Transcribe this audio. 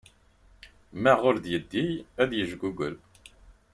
Ma ur d-yeddi ad yejgugel.